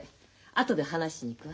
後で話しに行くわ。